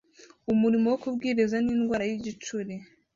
umurimo wo kubwiriza n Indwara y igicuri